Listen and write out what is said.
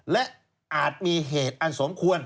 และอาจมีเหตุอันสมควร